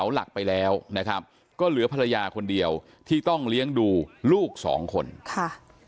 หลักไปแล้วนะครับก็เหลือภรรยาคนเดียวที่ต้องเลี้ยงดูลูกสองคนค่ะ